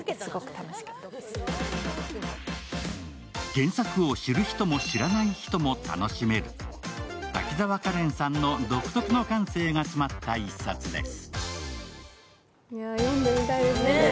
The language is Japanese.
原作を知る人も知らない人も楽しめる、滝沢カレンさんの独特の感性が詰まった一冊です。